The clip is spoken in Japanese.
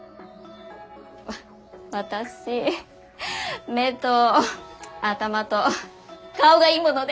私目と頭と顔がいいもので。